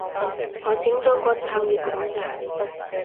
我整咗個撐粵網站